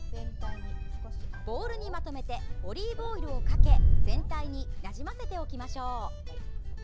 ボウルにまとめてオリーブオイルをかけ全体になじませておきましょう。